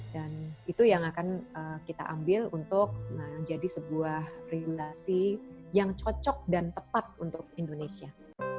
dan itu yang akan kita ambil untuk menjadi sebuah relasi yang cocok dan tepat untuk indonesia